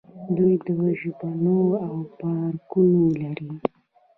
دوی ژوبڼونه او پارکونه لري.